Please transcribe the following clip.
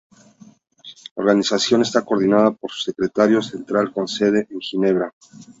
La organización está coordinada por un Secretariado Central con sede en Ginebra.